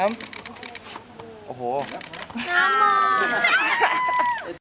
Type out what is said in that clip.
น้องหลักหรอ